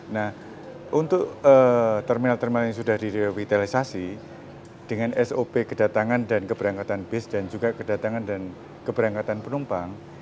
nah untuk terminal terminal yang sudah direvitalisasi dengan sop kedatangan dan keberangkatan bis dan juga kedatangan dan keberangkatan penumpang